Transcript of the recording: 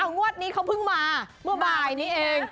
งวดนี้เขาเพิ่งมาเมื่อบ่ายนี้เอง